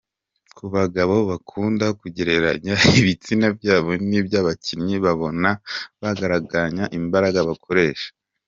Ku bagabo bakunda kugereranya ibitsina byabo n’iby’abakinnyi babona, bakagereranya imbaraga bakoresha,.